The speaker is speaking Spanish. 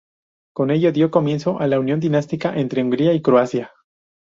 Con ello dio comienzo la unión dinástica entre Hungría y Croacia.